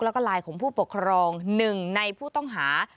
แล้วก็ไลน์ของผู้ปกครองหนึ่งในผู้ต้องหา